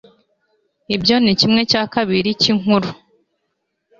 ibyo ni kimwe cya kabiri cyinkuru